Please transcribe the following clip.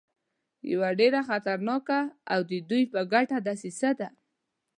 یوه ډېره خطرناکه او د دوی په ګټه دسیسه ده.